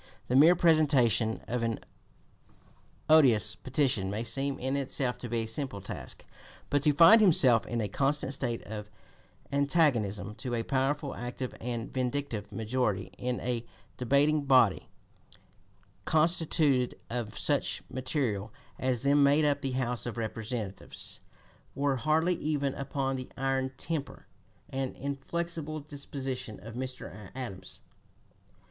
The mere presentation of an odious petition may seem in itself to be a simple task; but to find himself in a constant state of antagonism to a powerful, active, and vindictive majority in a debating body, constituted of such material as then made up the House of Representatives, wore hardly even upon the iron temper and inflexible disposition of Mr. Adams.